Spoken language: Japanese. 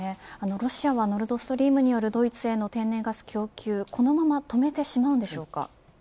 ロシアはノルドストリームによるドイツへの天然ガス供給このまま止めてしまうんでしょうか。